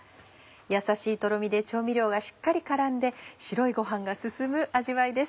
やさしいとろみで調味料がしっかり絡んで白いご飯が進む味わいです。